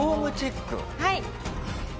はい。